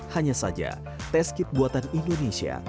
hanya saja test kit buatan indonesia